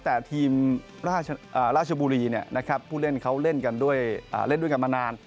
แต่ทีมราชบุรีผู้เล่นเขาเล่นด้วยกันมานาน